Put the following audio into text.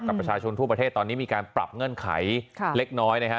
ประชาชนทั่วประเทศตอนนี้มีการปรับเงื่อนไขเล็กน้อยนะฮะ